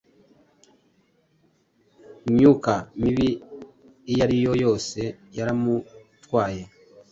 imyuka mibi iyariyo yose yaramutwaye